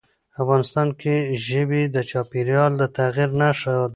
افغانستان کې ژبې د چاپېریال د تغیر نښه ده.